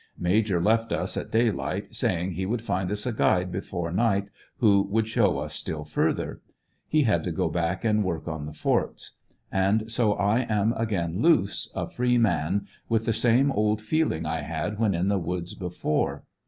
Major left us at day light, saying he would find us a guide before night who would show us still further. He had to go back and work on the forts. And so I am again loose, a free man, with the same old feel ing I had when in the woods before.